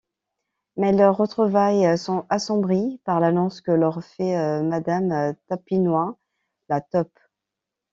Mais leurs retrouvailles sont assombries par l'annonce que leur fait madame Tapinois la taupe.